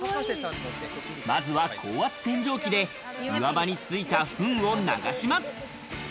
まずは高圧洗浄機で岩場についたふんを流します。